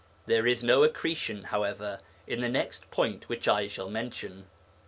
There is no accretion, however, in the next point which I shall mention.